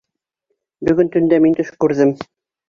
Бөгөн төндә мин төш күрҙем.